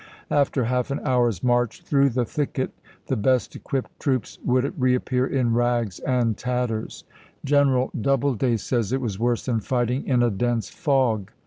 After half an hour's march through the thicket the best equipped troops would reappear in rags and tatters. Gen eral Doubleday says, "It was worse than fighting in a dense fog."